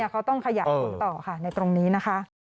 เขาต้องขยายผลต่อค่ะในตรงนี้นะคะ